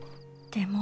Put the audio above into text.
でも。